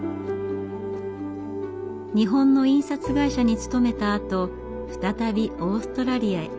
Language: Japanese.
日本の印刷会社に勤めたあと再びオーストラリアへ。